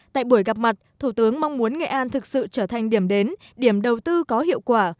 tại buổi gặp mặt thủ tướng mong muốn nghệ an thực sự trở thành điểm đến điểm đầu tư có hiệu quả